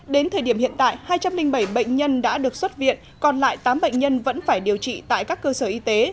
đến thời điểm hiện tại hai trăm linh bảy bệnh nhân đã được xuất viện còn lại tám bệnh nhân vẫn phải điều trị tại các cơ sở y tế